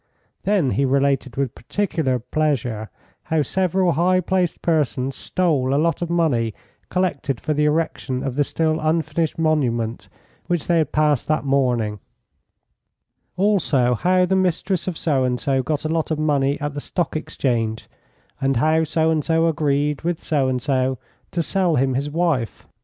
Then he related with particular pleasure how several high placed persons stole a lot of money collected for the erection of the still unfinished monument which they had passed that morning; also, how the mistress of So and so got a lot of money at the Stock Exchange, and how So and so agreed with So and so to sell him his wife.